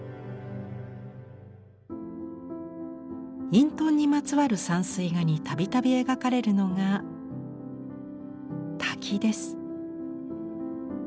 隠遁にまつわる山水画に度々描かれるのが滝です。